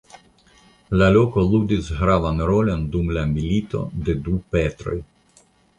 La loko ludis gravan rolon dum la Milito de la du Petroj.